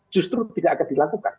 justru tidak akan dilakukan